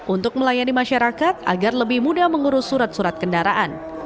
untuk melayani masyarakat agar lebih mudah mengurus surat surat kendaraan